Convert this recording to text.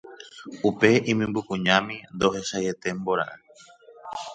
upe imembykuñami ndohechaietémbora'e.